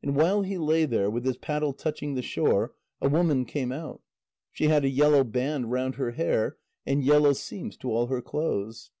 And while he lay there, with his paddle touching the shore, a woman came out; she had a yellow band round her hair, and yellow seams to all her clothes.